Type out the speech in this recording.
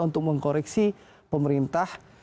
untuk mengkoreksi pemerintah